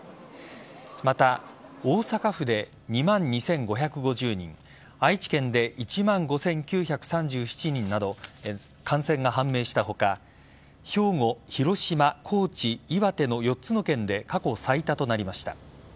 また、大阪府で２万２５５０人愛知県で１万５９３７人など感染が判明した他兵庫、広島、高知、岩手の４つの県で過去最多となりました。